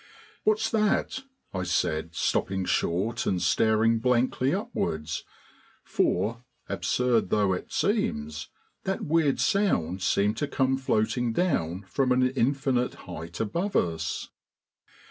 "What's that?" I said, stopping short and staring blankly upwards, for, absurd though it seems, that weird sound seemed to come floating down from an infinite height above us.